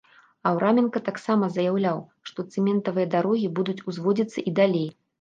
Аўраменка таксама заяўляў, што цэментавыя дарогі будуць узводзіцца і далей.